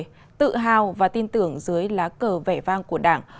chủ đề tự hào và tin tưởng dưới lá cờ vẻ vang của đảng